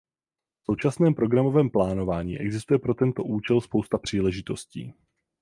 V současném programovém plánování existuje pro tento účel spousta příležitostí.